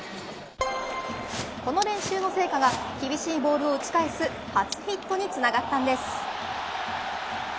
この練習の成果が厳しいボールを打ち返す初ヒットにつながったんです。